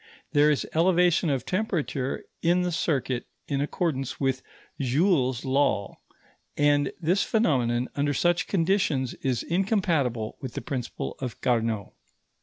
There is elevation of temperature in the circuit in accordance with Joule's law; and this phenomenon, under such conditions, is incompatible with the principle of Carnot.